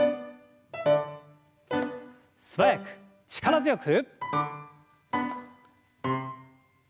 素早く力強く。